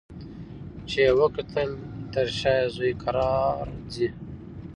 چي یې وکتل تر شا زوی یې کرار ځي